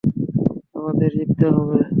আমাদের জিততে হবে!